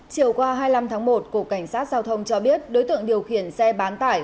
chiều qua hai mươi năm tháng một cục cảnh sát giao thông cho biết đối tượng điều khiển xe bán tải